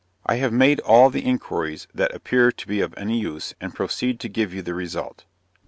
I have made all the inquiries that appear to be of any use, and proceed to give you the result.